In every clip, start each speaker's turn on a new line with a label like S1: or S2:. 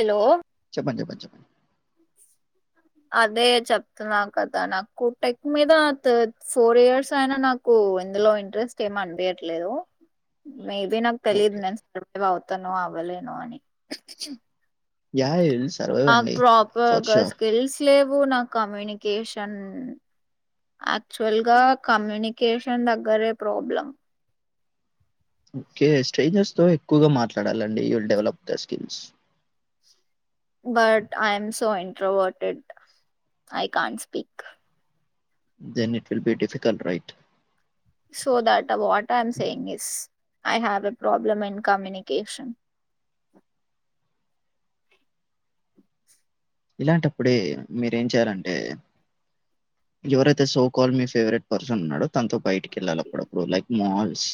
S1: hello
S2: చెప్పండి చెప్పండి చెప్పండి
S1: అదే చెప్తున్నా కదా నాకు టెక్ మీద ఫోర్ ఇయర్స్ అయినా నాకు ఇందులో ఇంట్రెస్ట్ ఏమి అనిపియట్లేదు మేబి నాకు తెలిద్
S2: ఓకే
S1: నేను స్క్రిప్ట్వ్ అవుతానో అవ్వలేనో అని
S2: యా ఎల్స్
S1: నాక్ ప్రాపర్గా స్కిల్స్ లేవు నాక్ కమ్యూనికేషన్ యాక్చువల్ గా కమ్యూనికేషన్ దగ్గరే ప్రాబ్లం
S2: ఓకే స్ట్రేంజర్స్ తో ఎక్కువగా మాట్లా ట్లాడలండి you will develop these కెన్స్
S1: but I am so introverted I can't speak
S2: then it will be difficult right
S1: so that ట what am saying is I have a problem in communication
S2: ఇలాంటప్పుడే మీరేం చేయాలంటే ఎవరైతే so call మీ favourite person ఉన్నాడో తనతో బయిట్ కెళ్ళాలప్పుడప్పుడు like mall bus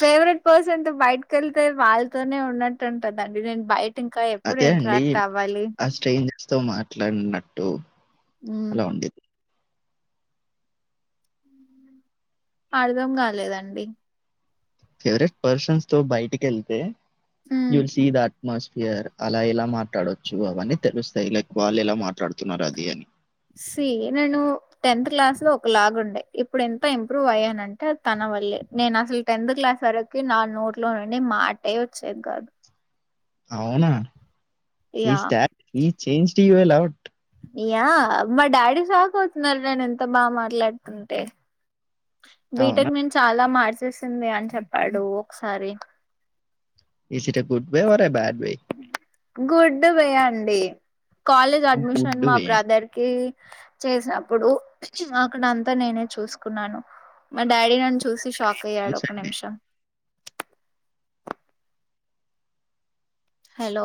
S1: favourite person తో బయటకి వెళ్తే వాళ్ళతోనే ఉన్నట్టుంటన్ పిండి నేన్ బయి టింకా ఎప్పుడు
S2: అదే అండి
S1: ఇంట్రాక్ట్ అవ్వాలి
S2: ఆ స్ట్రేంజర్స్ తో మాట్లాడినట్టు
S1: హ్మ్
S2: అలా ఉంది
S1: అర్ధం కాలేదండి
S2: ఫెవరెట్ పర్సన్స్తో బయటికెళ్తే you
S1: hmm
S2: will see that atmosphere అలా ఎలా మాట్లాడొచ్చు అవన్నీ తెలుస్తాయి లైక్ వాళ్ళు ఎలా మాట్లాడుతున్నారు అది అని
S1: సి నేను టెన్త్ క్లాస్ లో ఒక లాగ ఉండే ఇప్పుడు ఎంత ఇంప్రూవ్ అయ్యానంటే తన వల్లే నేను అసలు టెన్త్ క్లాస్ వరకు నా నోట్లో నుండి మాటే వచ్చేది కాదు
S2: అవునా ఈ
S1: యా
S2: స్ట ఈ చేంజ్ టి వెల ఔట్
S1: య్యా మా డాడీ షాక్ అవుతున్నారు నేను ఎంత బా మాట్లాడుతుంటే
S2: అవునా
S1: బీటెక్ నేన్ చాలా మాడ్ చేేసింది అని చెప్పాడు ఒకసారి
S2: ఈస్ ఇటే గుడ్ బాయ్ వారే బ్యాడ్ బాయ్
S1: గుడ్డు వేయ్యాండి కాాలేజ్
S2: గుడ్
S1: అడ్మిషన్ మా
S2: వే అండి
S1: బ్రదర్కీ చేసినప్పుడు అక్కడ అంతా నేనే చూసుకున్నాను మా డాడీ నన్ను చూసి షాక్ అయ్యాడు
S2: న్యూస్
S1: ఒక
S2: అండి
S1: నిమిషం హలో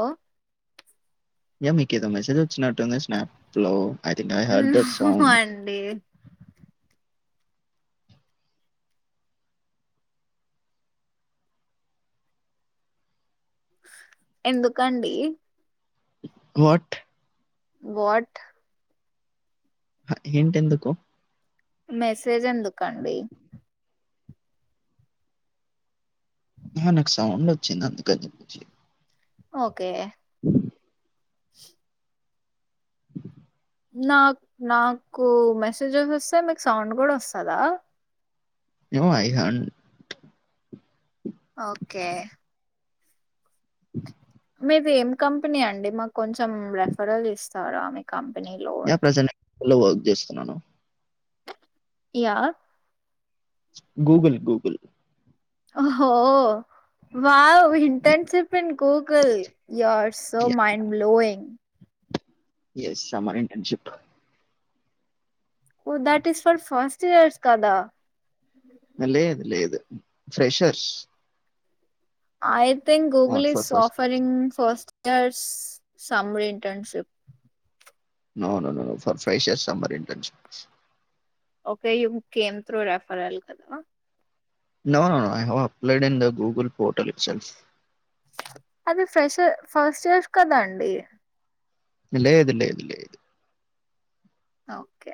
S2: యా మీకు ఏదో మెసేజ్ వచ్చినట్టుంది స్నాప్ లో I think I heard that sound
S1: అండి ఎందుకండి
S2: వట్
S1: వాట్
S2: ఏంటెందుకు
S1: మెసేజ్ ఎందుకండి
S2: ఆ నాకు సౌండ్ వచ్చింది అందుక
S1: ఓకే
S2: అ
S1: నాకు నాకు మెసేజెస్ వస్తే మీకు సౌండ్ కూడా వస్తుందా
S2: యి హం
S1: ఓకే మీది ఏం కంపెనీ అండి మాకు కొంచెం రెఫరల్ ఇస్తారా మీ కం
S2: యా ప్రజ ఎలో వర్క్ చేస్తున్నాను
S1: యయా
S2: గూగుల్ గూగుల్
S1: హ వావ ఇంటర్న్షిప్న్ Google you are so mind blowing
S2: ఎస్రి internship
S1: oh that is for first years కదా
S2: లేదు లేదు ఫ్రెషర్స్
S1: ఆయ thing Google
S2: not
S1: is
S2: for first
S1: offering first years summer internship
S2: నను న ఫర్ఫైష సరింటన్ష
S1: ఓకే ఈక్క ఏం త్రో రెఫర్ అయ్యాలి కదా
S2: నఐ హ అప్లైడ్న్ ద గూగల్ పోర్టల్ ఇల్
S1: అది ఫ్రెష ఫస్ట్ ఇయర్ కదా అండి
S2: లే ఇదు లే ఇదు లే ఇదు
S1: okay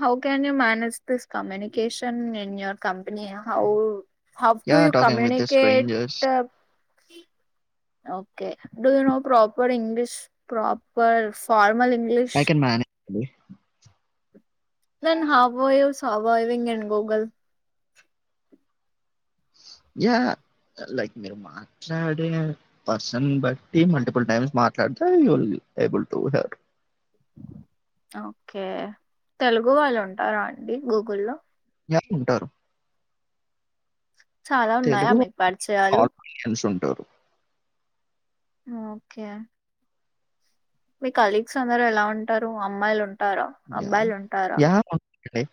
S1: how can you manage this communication in your company how how
S2: yeah
S1: ూ you
S2: talking with the
S1: communicate
S2: strangers
S1: do you know proper English proper far Kamal English
S2: అ
S1: నన్ హబ ఇవ సావా ఇవంగ్ ఇన్ గోగల్
S2: యా లైక్ మీరు మాట్లాడే person బట్టి multiple times మాట్లాడితే ల్బుల్ her
S1: okay Telugu వాళ్ళు ఉంటారా అండి గూగుల్లో
S2: ఉంటారు
S1: చాలా ఉన్నాయ్య
S2: తెలుగు
S1: మీ పరిచయాలు
S2: ఆడియన్స్ ఉంటారు
S1: ఓకే మీ కలీగ్స్ అందరు ఎలా ఉంటారు అమ్మాయిలు ఉంట ఉంటార
S2: యా
S1: అబ్బాయిలు ఉంటార
S2: యా ఉంటారండి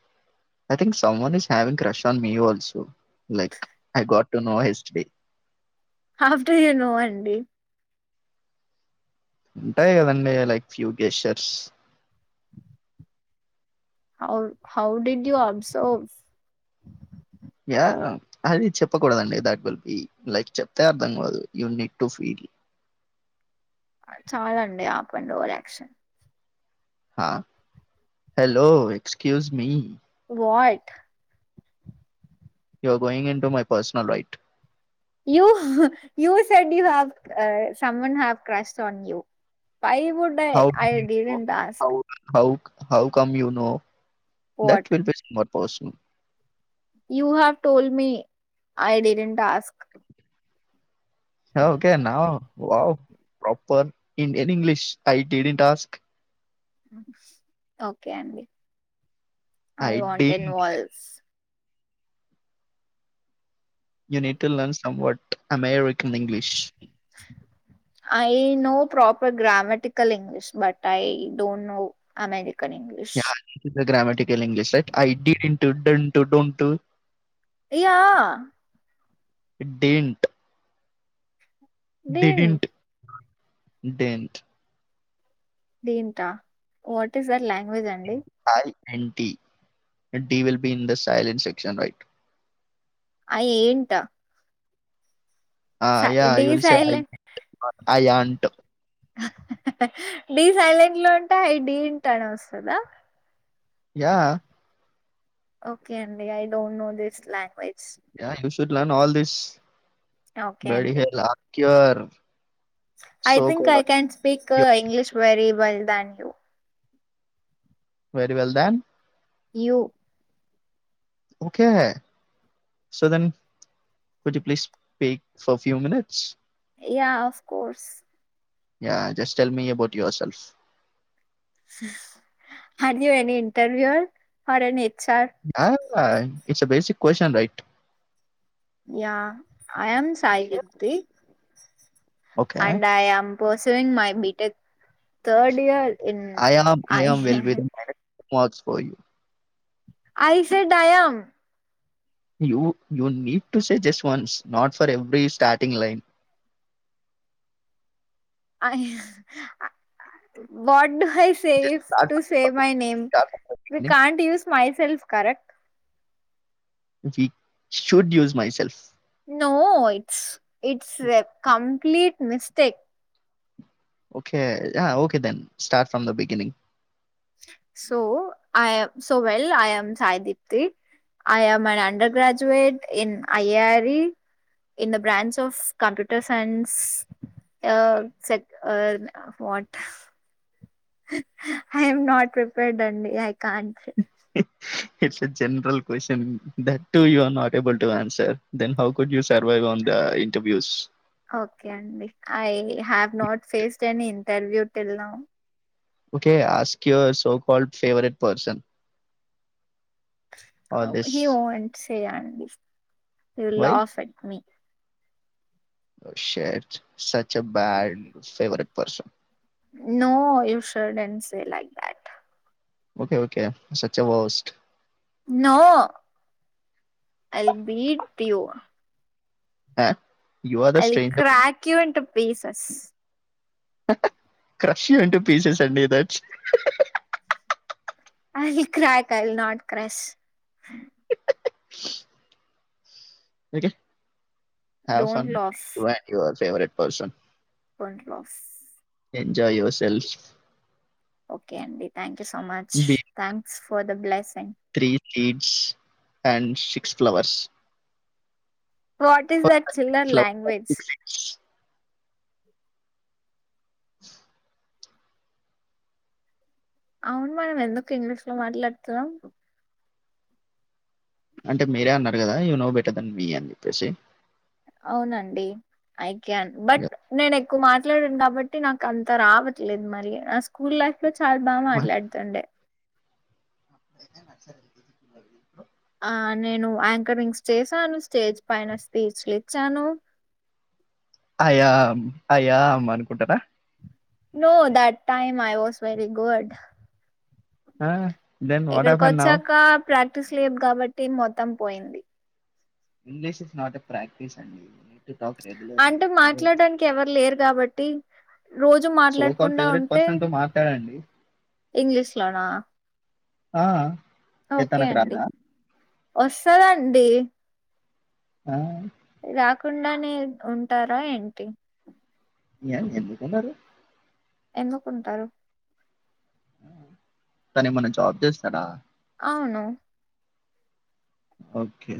S2: I think someone is having crush on me like a got to know history
S1: how do you know అండి
S2: ఉంటాయి కదండి like few gestures
S1: how how did you observe
S2: yeah అది చెప్పకూడదండి దట్ విల్ బి లైక్ చెప్తే అర్థం కాదు you need to feel
S1: చాల్ అండి ఆపండి or action
S2: hello excuse me
S1: what
S2: you are going into my personal right
S1: you said that someone have crush on you పై I డివ in task
S2: how come you know that will be సవన్ పోషం
S1: you have told me I didn't ask
S2: ఓకనా వా ప్ర ఇంగ్ష్ఐటిడి task
S1: okay అండి I want ఎన్ వాల్స్
S2: you need to learn so what
S1: I know proper grammatic English but I don't know అమెరిక్
S2: నెట్టు విగ్రమేటిక్ తిక్కల్ English I didn't to done to done to
S1: yeah
S2: డెంట్ డిడింట్ డెంత్
S1: డింటా వాట్ ఇస్ దట్ లేం గ్వేజ్ అండి
S2: N T T will be in the silent section right
S1: I ఏంట సై D silent D silent ఉంటా ఐ డింటా అని వస్తదా
S2: యా
S1: ఓకే అండి I don't know this language
S2: yeah all this
S1: okay
S2: బడియా హకర్ అ
S1: I think I can speak English very well done
S2: very well done
S1: you
S2: okay హ so then could please pay for few minutes
S1: yeah of course
S2: yeah just tell me about your self
S1: are any interviewer are any
S2: ah it's a basic question right
S1: yeah I'm Sai Deepthi and I'm pursuing my BTech third year
S2: I I'm వెల్బి the what's going
S1: I said I'm
S2: you you need to suggest once not for every starting line
S1: I what do I says to save my name we can't use myself correct
S2: should use myself
S1: no it's it's a complete mistake
S2: okay okay then start from Dhan beginning
S1: so I so well I'm Sai Deepthi I'm an undergraduate in IAR in the branch of computer science yeah yeah what I'm not prepared అండి I can't
S2: it's a general question thought your not able to answer then how could you survive on the interviews
S1: okay అండి I have not faced any interview till now
S2: okay ask your so called favourite person
S1: he wants చేయండి you loss it
S2: shit such a bad favourite person
S1: no you shouldn't say like that
S2: okay okay సచ్చే boast
S1: no I be ట్ you
S2: ఆ
S1: I will crack you and piece bus
S2: crush you అంటే pieces అండి that's
S1: I crack all not crush
S2: AK have some అండి when yours favourite person
S1: can't loss
S2: enjoy yourself
S1: okay అండి thank you so much thank for the blessing
S2: three seeds and six flowers
S1: what is that చిల్లర్ language అవును మనం ఎందుకు English లో మాట్లాడుతున్నాం
S2: అంటే మీరే అన్నారు కదా you know better than me అని చెప్పేసి
S1: అవునండి అయి కాన్
S2: ఇక
S1: బట్ నేన్ ఎక్కువ్ మాట్లాడను కాబట్టి నాకు అంత రావట్లేదు మరి నా స్కూల్ లైఫ్ లో చాల్ బాగా
S2: మా-
S1: మాట్లాడుతుండే ఆ నేను యాంకరింగ్స్ చేశాను స్టేజ్ పైన స్పీచ్లు ఇచ్చాను
S2: ఐ యాం ఐ యాం అనుకుంటనా
S1: no that time I was very good
S2: ఆ
S1: ఇక్కడికి వచ్చాక ప్ర క్టీస్ లేదు కాబట్టి మొత్తం పోయింది
S2: English it's not a practice అండి టు టాక్ రెగ్యులర్లీ
S1: అంటే
S2: అదే
S1: మాట్లాడానికి ఎవరు లేరు కాబట్టి రోజు
S2: సో కాల్
S1: మాట్లాడకుండా
S2: ఫేవరెట్
S1: ఉంటే
S2: పర్సన్ తో మాట్లాడండి
S1: ఇంగ్లీష్ లోనా
S2: ఆ ఏ
S1: ఒకే
S2: తనకు
S1: అండి
S2: రాదా
S1: ఓస్ పదండి
S2: ఆ
S1: రాకుండానే ఉంటారా ఏంటి
S2: యన్ ఎందుకుండరు
S1: ఎందుకుంటారు
S2: తనేమన్నా జాబ్ చేస్తాడా
S1: అవును
S2: ఓకే